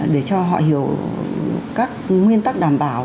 để cho họ hiểu các nguyên tắc đảm bảo